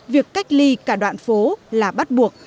việc cách ly cả đoạn phố là bắt buộc